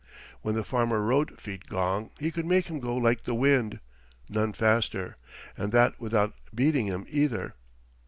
When the farmer rode Feetgong he could make him go like the wind, none faster, and that without beating him, either.